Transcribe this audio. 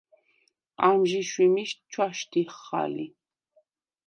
ამჟი შვიმიშდ ჩვაშდიხხ ალი.